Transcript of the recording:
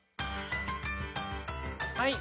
はい。